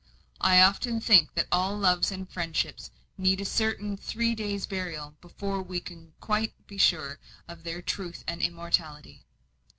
I often think that all loves and friendships need a certain three days' burial before we can be quite sure of their truth and immortality.